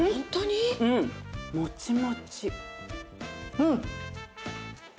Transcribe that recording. うん。